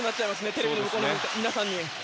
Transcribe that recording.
テレビの向こうの皆さんに。